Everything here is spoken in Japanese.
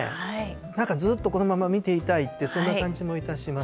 なんかずっとこのまま見ていたいって、そんな感じもいたします。